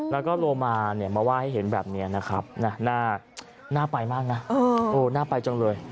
แล้วก็โลมามาว่าให้เห็นแบบนี้นะครับน่าไปมากนะน่าไปจังเลย